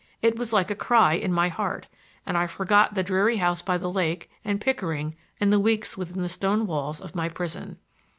It was like a cry in my heart, and I forgot the dreary house by the lake, and Pickering and the weeks within the stone walls of my prison.